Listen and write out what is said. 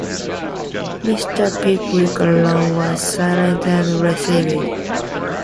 Mr. Pickwick alone was silent and reserved.